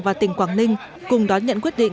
và tỉnh quảng ninh cùng đón nhận quyết định